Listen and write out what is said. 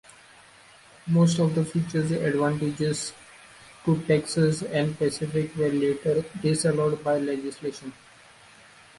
Most of the features advantageous to Texas and Pacific were later disallowed by legislation.